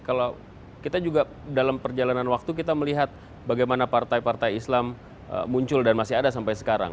kalau kita juga dalam perjalanan waktu kita melihat bagaimana partai partai islam muncul dan masih ada sampai sekarang